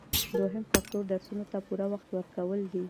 دوهم فکتور درسونو ته پوره وخت ورکول دي.